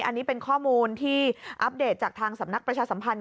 อันนี้เป็นข้อมูลที่อัปเดตจากทางสำนักประชาสัมพันธ์